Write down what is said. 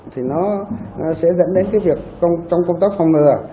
thì nó sẽ dẫn đến cái việc trong công tác phòng ngừa